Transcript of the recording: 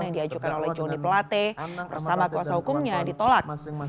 yang diajukan oleh johnny pelate bersama kuasa hukumnya ditolak